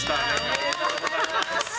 ありがとうございます。